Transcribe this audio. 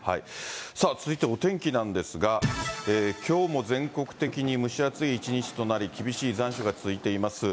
さあ、続いてお天気なんですが、きょうも全国的に蒸し暑い一日となり、厳しい残暑が続いています。